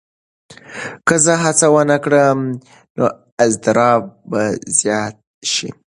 که زه هڅه ونه کړم، اضطراب به زیات شي.